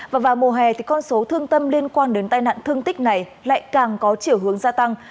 và vào mùa hè thì con số thương tâm liên quan đến tai nạn thương tích này lại càng có chiều hướng gia tăng